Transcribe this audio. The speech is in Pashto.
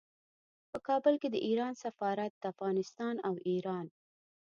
په کابل کې د ایران سفارت د افغانستان او ایران